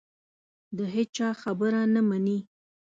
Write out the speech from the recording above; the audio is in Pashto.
د هېچا خبره نه مني